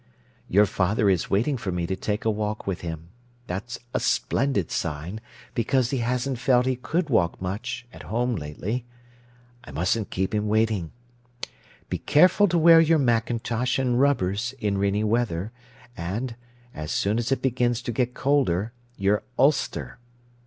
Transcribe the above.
Your father is waiting for me to take a walk with him—that's a splendid sign, because he hasn't felt he could walk much, at home, lately. I mustn't keep him waiting. Be careful to wear your mackintosh and rubbers in rainy weather, and, as soon as it begins to get colder, your ulster.